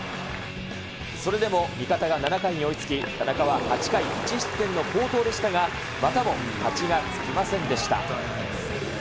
それでも味方が７回に追いつき、田中は８回１失点の好投でしたが、またも勝ちがつきませんでした。